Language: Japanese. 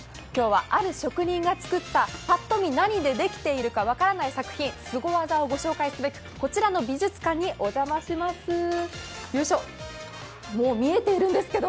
今日はある職人が作った、パッと見ナニでできてるか分からない作品、すご技をご紹介すべく、こちらの美術館にお邪魔します。